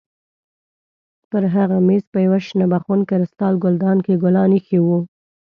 پر هغه مېز په یوه شنه بخون کریسټال ګلدان کې ګلان ایښي وو.